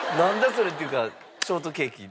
それっていうかショートケーキ。